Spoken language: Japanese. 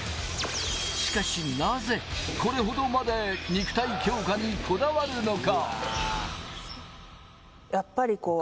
しかし、なぜこれほどまで肉体強化にこだわるのか？